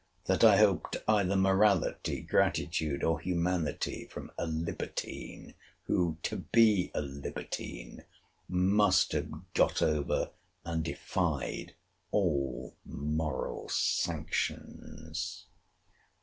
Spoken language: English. That I hoped either morality, gratitude, or humanity, from a libertine, who, to be a libertine, must have got over and defied all moral sanctions.